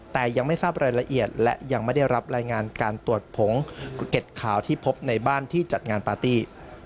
แต่ยังไม่ทราบรายละเอียดและยังไม่ได้รับรายงานการตรวจผงเด็ดข่าวที่พบในบ้านที่จัดงานปาร์ตี้